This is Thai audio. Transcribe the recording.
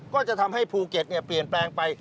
ก็จะทำให้ภูเก็ตเปลี่ยนแปลงไป